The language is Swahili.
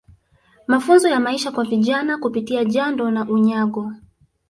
Mafunzo ya Maisha kwa Vijana Kupitia Jando na Unyago